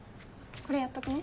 これやっとくね。